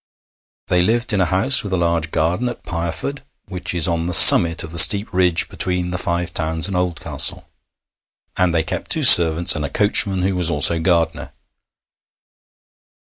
They lived in a house with a large garden at Pireford, which is on the summit of the steep ridge between the Five Towns and Oldcastle, and they kept two servants and a coachman, who was also gardener.